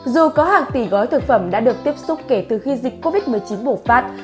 dù có hàng tỷ gói thực phẩm đã được tiếp xúc kể từ khi dịch covid một mươi chín bùng phát